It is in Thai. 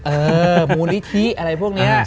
เออมูลิธิอะไรพวกนี้